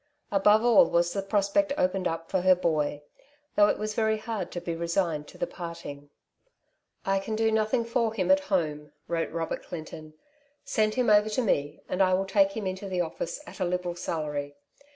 Above all was the prospect opened up for her boy, though it was very hard to be resigned to the parting. 22 " Two Sides to every Question^ ''I can do nothing for him at home/' wrote Robert Clinton. '^ Send him over to me, and I will take him into the ofllice at a liberal salary.